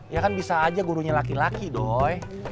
ya kan bisa aja gurunya laki laki dong